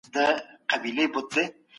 د انسان بدن ژوندی سيستم دی.